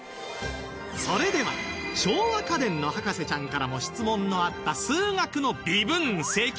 それでは昭和家電の博士ちゃんからも質問のあった数学の微分積分